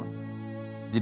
wafi'an fusikum afalatubsirun